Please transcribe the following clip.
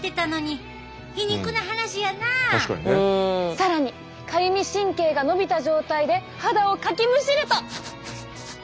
更にかゆみ神経が伸びた状態で肌をかきむしると。